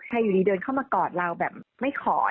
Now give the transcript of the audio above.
อยู่ดีเดินเข้ามากอดเราแบบไม่ขอ